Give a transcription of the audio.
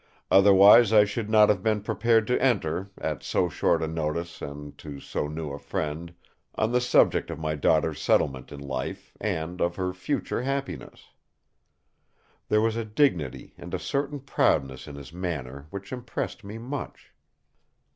Otherwise I should not have been prepared to enter, at so short a notice and to so new a friend, on the subject of my daughter's settlement in life, and of her future happiness." There was a dignity and a certain proudness in his manner which impressed me much.